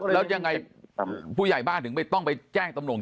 แล้วยังไงผู้ใหญ่บ้านถึงต้องไปแจ้งตำรวจ